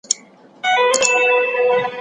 دا بنسټ استثماري بڼه درلوده.